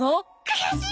悔しい！